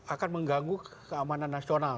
akan mengganggu keamanan nasional